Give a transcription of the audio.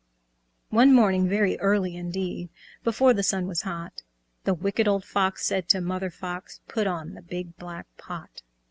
One morning, very early indeed, Before the sun was hot, The Wicked Old Fox said to Mother Fox, "Put on the big black pot.